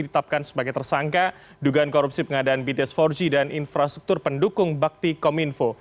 ditetapkan sebagai tersangka dugaan korupsi pengadaan bts empat g dan infrastruktur pendukung bakti kominfo